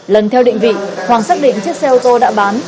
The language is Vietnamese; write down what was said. lần theo định vị hoàng xác định chiếc xe ô tô đã bán